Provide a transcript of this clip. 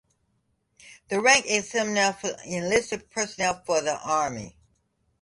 The rank insignia for enlisted personnel for the army.